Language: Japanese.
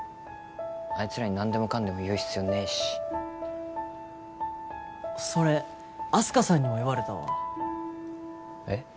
あいつらに何でもかんでも言う必要ねえしそれあす花さんにも言われたわえっ？